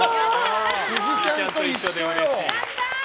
辻ちゃんと一緒よ。